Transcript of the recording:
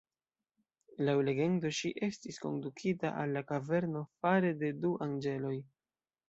Laŭ legendo ŝi estis kondukita al la kaverno fare de du anĝeloj.